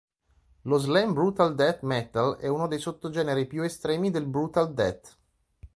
Lo slam brutal death metal è uno dei sottogeneri più estremi del brutal death.